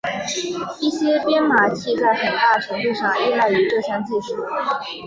一些编码器在很大程度上依赖于这项技术。